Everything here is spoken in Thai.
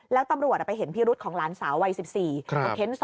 แล้วตำรวจไปเห็นพิรุษของหลานสาววัย๑๔